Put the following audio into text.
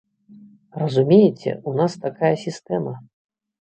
Разумееце, у нас такая сістэма.